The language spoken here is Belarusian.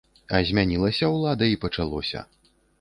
А змянілася ўлада і пачалося!